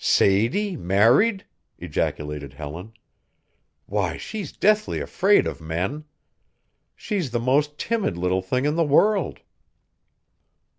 "Sadie married!" ejaculated Helen. "Why, she's deathly afraid of men. She's the most timid little thing in the world."